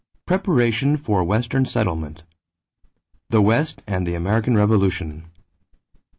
PREPARATION FOR WESTERN SETTLEMENT =The West and the American Revolution.